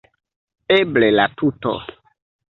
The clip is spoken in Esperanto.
Eble la tuto.